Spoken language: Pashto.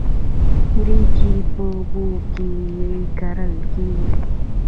وریجې په اوبو کې کرل کیږي